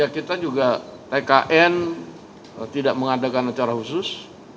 kita juga tkn tidak mengadakan acara khusus